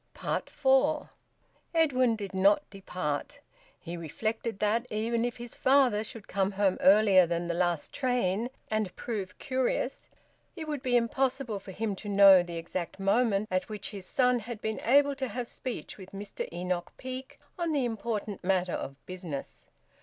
FOUR. Edwin did not depart. He reflected that, even if his father should come home earlier than the last train and prove curious, it would be impossible for him to know the exact moment at which his son had been able to have speech with Mr Enoch Peake on the important matter of business.